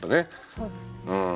そうですね。